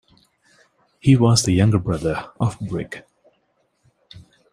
He was the younger brother of Brig.